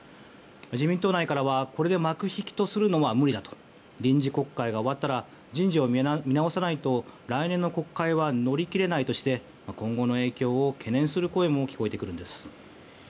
自民党内からはこれで幕引きとするのは無理だと臨時国会が終わったら人事を見直さないと来年の国会は乗り切れないとして今後の影響を懸念する声も聞こえてくるんです。